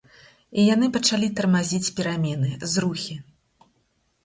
І яны пачалі тармазіць перамены, зрухі.